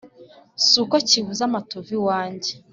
Si uko kibuze amatovu iwanjye